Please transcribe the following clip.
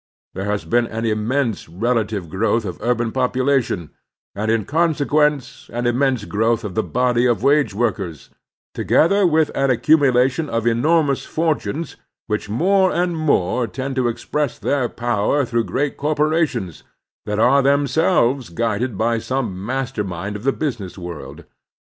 There has been an immense relative growth of urban population, and, in consequence, an immense growth of the body of wage workers, together with an accumu lation of enormous fortunes which more and more tend to express their power through great cor porations that are themselves guided by some master mind of the business world.